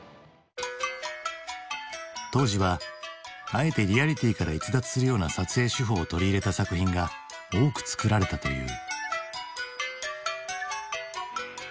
当時はあえてリアリティーから逸脱するような撮影手法を取り入れた作品が多く作られたという。